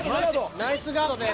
ナイスガードです。